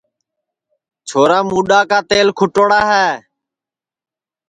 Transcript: چھورا مُڈؔاڑا تیل کُھٹوڑا ہے